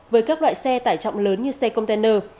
với các loại xe tải trọng lớn như xe container